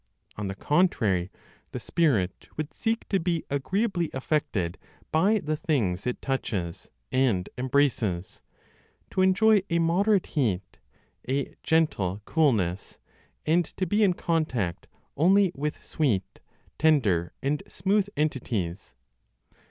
On the contrary, the spirit would seek to be agreeably affected by the things it touches and embraces, to enjoy a moderate heat, a gentle coolness, and to be in contact only with sweet, tender, and smooth entities.